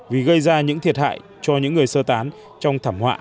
vì gây ra những thiệt hại cho những người sơ tán trong thảm họa hai nghìn một mươi một